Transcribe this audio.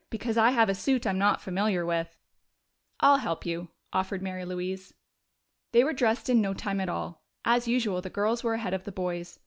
"Because I have a suit I'm not familiar with." "I'll help you," offered Mary Louise. They were dressed in no time at all; as usual the girls were ahead of the boys.